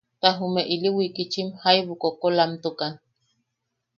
Ta jume ili wikitchim jaibu koʼokolamtukan.